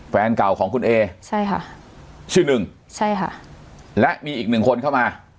แฟนเก่าของคุณเอใช่ค่ะชื่อหนึ่งใช่ค่ะและมีอีกหนึ่งคนเข้ามา